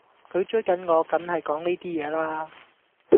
佢追緊我,緊係講呢啲嘢啦